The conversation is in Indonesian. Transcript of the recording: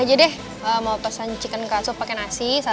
ini aja deh mau pesan chicken katsu pakai nasi satu